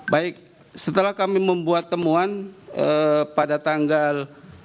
baik setelah kami membuat temuan pada tanggal